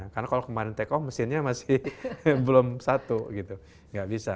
karena kalau kemarin take off mesinnya masih belum satu gitu gak bisa